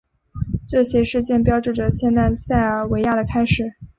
这些事件标志着现代塞尔维亚的开始。